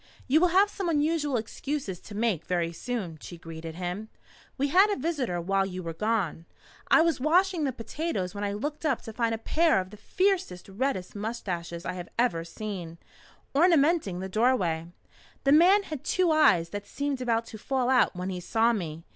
"You will have some unusual excuses to make very soon," she greeted him. "We had a visitor while you were gone. I was washing the potatoes when I looked up to find a pair of the fiercest, reddest moustaches I have ever seen, ornamenting the doorway. The man had two eyes that seemed about to fall out when he saw me.